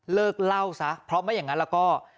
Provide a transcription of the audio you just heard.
เลิกเล่าซะเพราะไม่อย่างนั้นแล้วก็